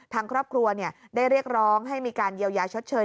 ทางครอบครัวได้เรียกร้องให้มีการเยียวยาชดเชย